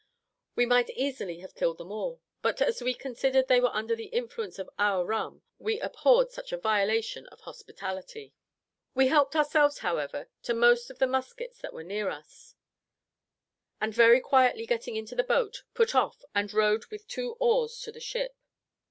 We might easily have killed them all; but as we considered they were under the influence of our rum, we abhorred such a violation of hospitality. We helped ourselves, however, to most of the muskets that were near us, and very quietly getting into the boat, put off and rowed with two oars to the ship.